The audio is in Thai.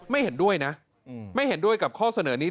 เห็นด้วยนะไม่เห็นด้วยกับข้อเสนอนี้